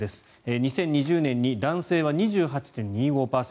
２０２０年に男性は２８．２５％